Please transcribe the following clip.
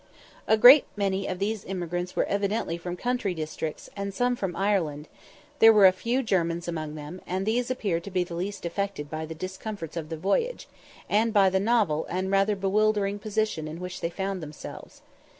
A great many of these immigrants were evidently from country districts, and some from Ireland; there were a few Germans among them, and these appeared the least affected by the discomforts of the voyage, and by the novel and rather bewildering position in which they found themselves.